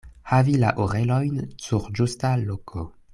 Havi la orelojn sur ĝusta loko.